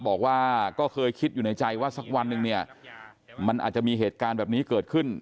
บอกว่าก็เคยคิดอยู่ในใจว่าสักวันหนึ่งเนี่ยมันอาจจะมีเหตุการณ์แบบนี้เกิดขึ้น